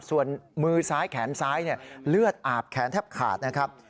ส่วนมือซ้ายแขนซ้ายเลือดอาบแขนแทบขาดนะครับ